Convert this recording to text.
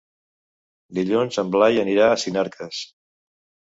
Dilluns en Blai anirà a Sinarques.